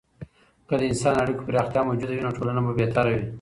که د انساني اړیکو پراختیا موجوده وي، نو ټولنه به بهتره وي.